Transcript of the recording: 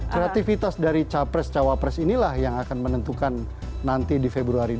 kreativitas dari capres cawapres inilah yang akan menentukan nanti di februari dua ribu dua puluh